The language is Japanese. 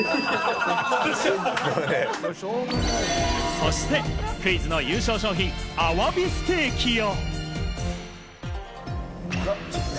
そしてクイズの優勝賞品、アワビステーキを。